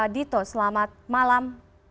dito selamat malam